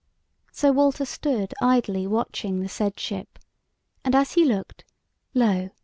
So Walter stood idly watching the said ship, and as he looked, lo!